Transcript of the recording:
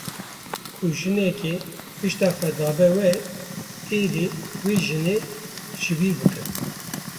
Ku jinekê pişta xwe dabe we, êdî wê jinê ji bîr bikin.